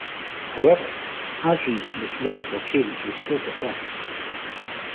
However, Asri's most radical change was still to come.